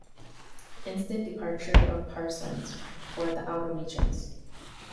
Instant departure of Parsons for the outer regions.